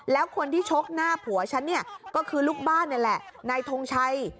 แล้วคนที่ชกหน้าผัวฉันเนี่ยก็คือลูกบ้านนี่แหละนายทงชัย